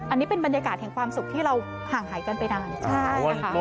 อันนี้เป็นบรรยากาศแห่งความสุขที่เราห่างหายกันไปนานใช่ค่ะ